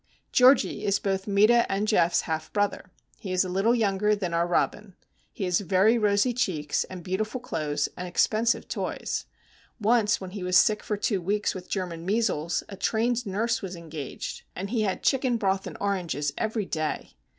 Georgie is both Meta and Geof's half brother. He is a little younger than our Robin. He has very rosy cheeks, and beautiful clothes, and expensive toys. Once when he was sick for two weeks with German measles a trained nurse was engaged, and he had chicken broth and oranges every day.